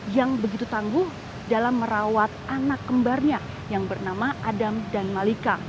yang begitu tangguh dalam merawat anak kembarnya yang bernama adam dan malika